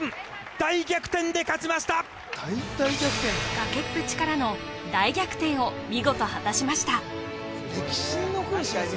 崖っぷちからの大逆転を見事果たしました